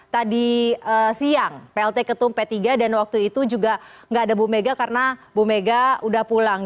tadi siang plt ketum p tiga dan waktu itu juga nggak ada bu mega karena bu mega udah pulang